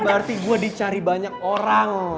berarti gue dicari banyak orang